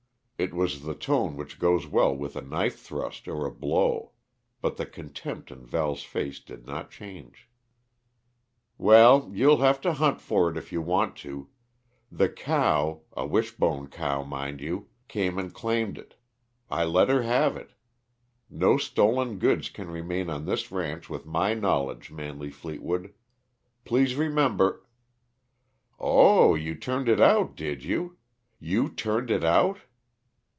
It was the tone which goes well with a knife thrust or a blow. But the contempt in Val's face did not change. "Well, you'll have to hunt for it if you want it. The cow a Wishbone cow, mind you! came and claimed it; I let her have it. No stolen goods can remain on this ranch with my knowledge, Manley Fleetwood. Please remember " "Oh, you turned it out, did you? You turned it out?"